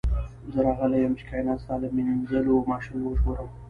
زه راغلی یم چې کائنات ستا له مینځلو ماشینونو وژغورم